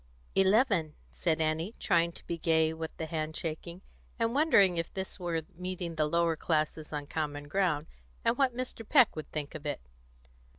"Eleven," said Annie, trying to be gay with the hand shaking, and wondering if this were meeting the lower classes on common ground, and what Mr. Peck would think of it.